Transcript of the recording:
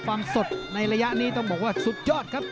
ความสดในระยะนี้ต้องบอกว่าสุดยอดครับ